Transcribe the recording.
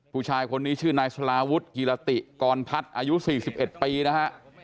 ผู้ชายคนนี้ชื่อนายสลาวุฒิกิรติกรพัฒน์อายุ๔๑ปีนะฮะ